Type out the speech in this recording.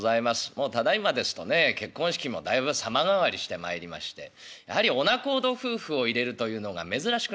もうただいまですとね結婚式もだいぶ様変わりしてまいりましてやはりお仲人夫婦を入れるというのが珍しくなってまいりました。